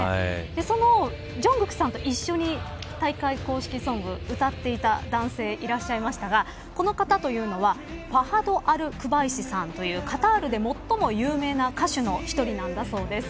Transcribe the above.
そのジョングクさんと一緒に大会公式ソングを歌っていた男性、いらっしゃいましたがこの方というのはファハド・アル・クバイシさんというカタールで最も有名な歌手の１人なんだそうです。